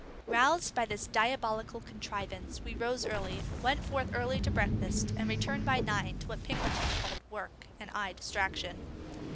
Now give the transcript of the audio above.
Roused by this diabolical contrivance, we rose early, went forth early to breakfast, and returned by nine to what Pinkerton called work, and I distraction.